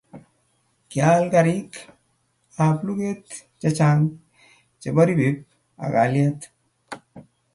kial karik ab luget chechang chebo ribib ab kalyet